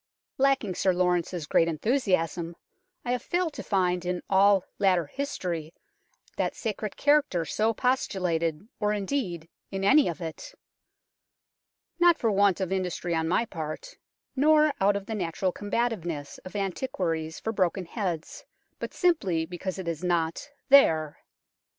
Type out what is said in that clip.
Lacking Sir Laurence's great enthusiasm, I have failed to find in " all later history " that sacred character so postulated, or, indeed, in any of it ; not for want of industry on my part, nor out of the natural combativeness of antiquaries for broken heads, but simply because it is not there.